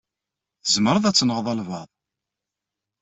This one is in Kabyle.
Tzemreḍ ad tenɣeḍ albaɛḍ.